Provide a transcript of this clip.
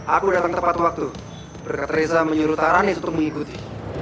aku datang tepat waktu reza menyuruh taranis untuk mengikuti